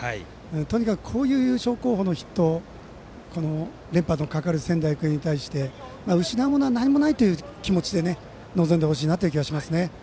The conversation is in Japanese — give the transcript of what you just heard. とにかく、優勝候補筆頭連覇のかかる仙台育英に対して失うものは何もないという気持ちで臨んでほしいなという気がします。